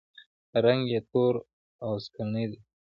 رنګ یې تور او سکڼۍ دی.